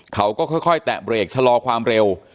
เขาก็ค่อยแตะเบรกชะลอความเร็ว